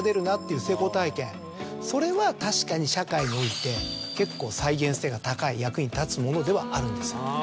それは確かに社会において結構再現性が高い役に立つものではあるんですよ。